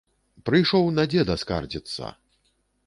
Прыйшоў на дзеда скардзіцца!